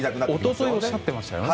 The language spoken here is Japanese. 一昨日おっしゃってましたよね